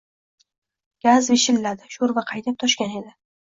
Gaz vishilladi. Shoʼrva qaynab, toshgan edi.